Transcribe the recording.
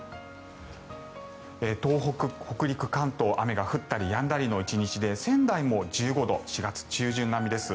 東北、北陸、関東雨が降ったりやんだりの１日で仙台も１５度４月中旬並みです。